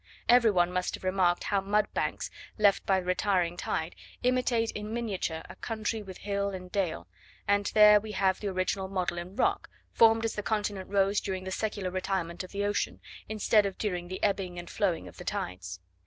Every one must have remarked how mud banks, left by the retiring tide, imitate in miniature a country with hill and dale; and here we have the original model in rock, formed as the continent rose during the secular retirement of the ocean, instead of during the ebbing and flowing of the tides.